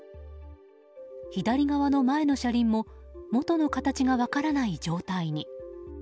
左側の前の車輪も元の形が分からない状態に。